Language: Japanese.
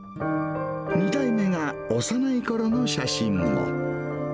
２代目が幼いころの写真も。